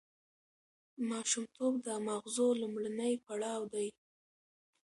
ماشومتوب د ماغزو لومړنی پړاو دی.